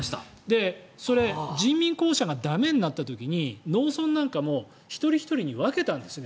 それ人民公社が駄目になった時に農村なんかも一人ひとりに分けたんですね。